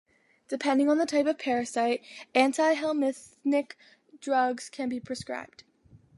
Depending on the type of parasite, antihelmynthic drugs can be prescribed.